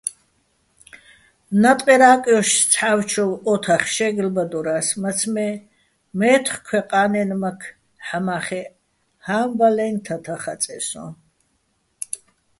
ნატყერ ა́კუშ ცჰ̦ა́ვჩოვ ო́თახ შე́გლბადორა́ს, მაცმე́ მაჲთხქვეყა́ნაჲნმაქ ჰ̦ამა́ხეჸ ჰა́მბალაჲნი̆ თათაჼ ხაწეჼ სო́ჼ.